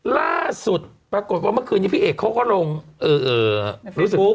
ล่าสุดปรากฏว่าเมื่อคืนนี้พี่เอกเขาก็ลงเออเออในเฟซบุ๊ก